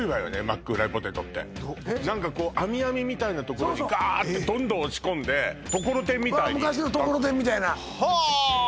マックフライポテトって何かこう網々みたいなところにガーッてどんどん押し込んでところてんみたいに出すの昔のところてんみたいなはあっ